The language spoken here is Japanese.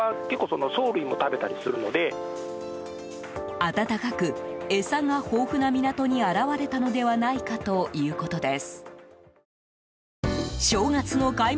暖かく餌が豊富な港に現れたのではないかということです。